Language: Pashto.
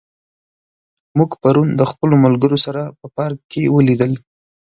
موږ پرون د خپلو ملګرو سره په پارک کې ولیدل.